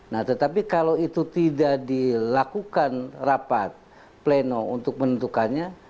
nah tetapi kalau itu tidak dilakukan rapat pleno untuk menentukannya